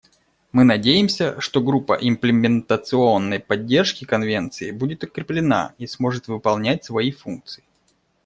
Мы надеемся, что Группа имплементационной поддержки Конвенции будет укреплена и сможет выполнять свои функции.